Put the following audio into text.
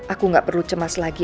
aku gak perlu cemas lagi